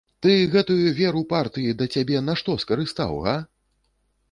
Ты гэтую веру партыі да цябе на што скарыстаў, га?